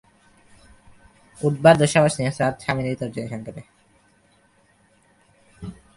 অনিমন্ত্রণে গাড়ির মধ্যে লাফিয়ে ওঠবার দুঃসাহস নিরস্ত হত স্বামিনীর তর্জনী সংকেতে।